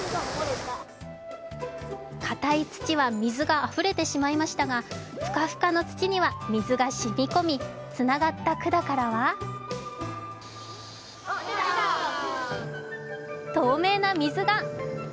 かたい土は水があふれてしまいましたが、フカフカな土には水がしみこみ、つながった管からは透明な水が。